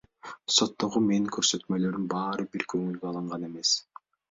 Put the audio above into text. Соттогу менин көрсөтмөлөрүм баары бир көңүлгө алынган эмес.